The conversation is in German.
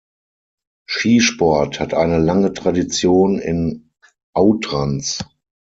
Skisport hat eine lange Tradition in Autrans.